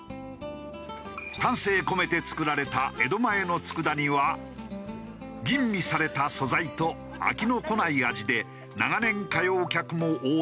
丹精込めて作られた江戸前の佃煮は吟味された素材と飽きのこない味で長年通う客も多いという。